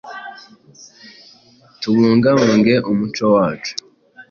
Tubungabunge umuco wacu